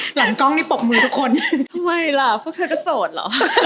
หลังกล้องนี่ปรบมือทุกคนทำไมล่ะพวกเธอก็โสดเหรอ